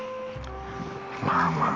まあまあ。